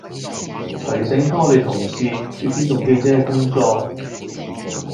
提醒番我哋同事要尊重記者嘅工作